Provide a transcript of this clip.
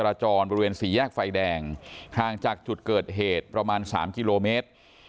จรจรบริเวณสี่แยกไฟแดงห่างจากจุดเกิดเหตุประมาณ๓กิโลเมตร